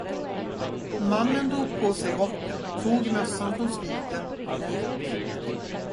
Mannen drog på sig rocken, tog mössan från spiken och gick.